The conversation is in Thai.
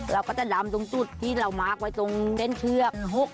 เราก็จะดำตรงจุดที่เรามาร์คไว้ตรงเส้นเชือก